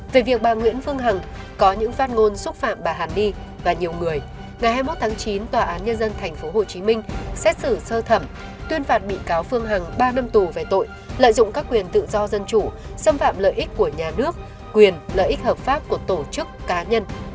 về việc bà nguyễn phương hằng có những phát ngôn xúc phạm bà hàn ni và nhiều người ngày hai mươi một tháng chín tòa án nhân dân tp hcm xét xử sơ thẩm tuyên phạt bị cáo phương hằng ba năm tù về tội lợi dụng các quyền tự do dân chủ xâm phạm lợi ích của nhà nước quyền lợi ích hợp pháp của tổ chức cá nhân